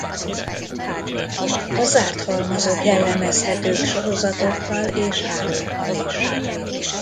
A zárt halmazok jellemezhetők sorozatokkal és hálókkal is.